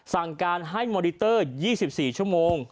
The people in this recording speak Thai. สั่งการให้มอนิเตอร์๒๔ชั่วโมง